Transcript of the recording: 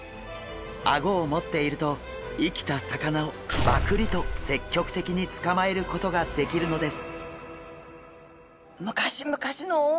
アゴを持っていると生きた魚をバクリと積極的に捕まえることができるのです。